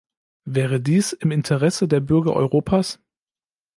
Wäre dies im Interesse der Bürger Europas?